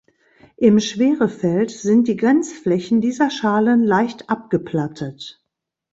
Im Schwerefeld sind die Grenzflächen dieser Schalen leicht abgeplattet.